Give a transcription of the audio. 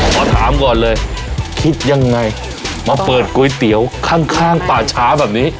ขอถามก่อนเลยคิดยังไงมาเปิดก๋วยเตี๋ยวข้างข้างป่าช้าแบบนี้